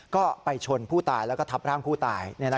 ก็ไปชนผู้ตายแล้วก็ทับร่างผู้ตาย